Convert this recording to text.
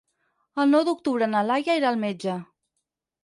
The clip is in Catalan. El nou d'octubre na Laia irà al metge.